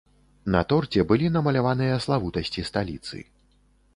На торце былі намаляваныя славутасці сталіцы.